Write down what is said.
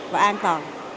và an toàn